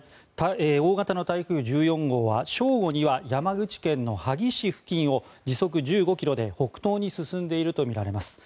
大型の台風１４号は正午には山口県の萩市付近を時速１５キロで北東に進んでいるとみられます。